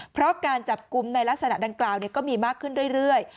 เพราะการจับกลุ่มในลักษณะดังกล่าวก็มีมากขึ้นเรื่อย